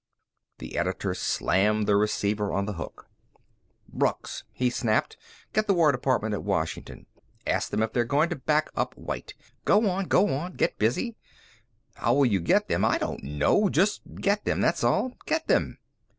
The editor slammed the receiver on the hook. "Brooks," he snapped, "get the War Department at Washington. Ask them if they're going to back up White. Go on, go on. Get busy.... How will you get them? I don't know. Just get them, that's all. Get them!"